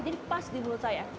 jadi pas di mulut saya